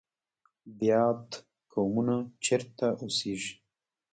بیات قومونه چیرته اوسیږي؟